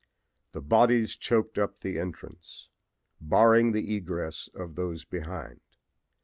The bodies choked up the entrance, barring the egress of those behind.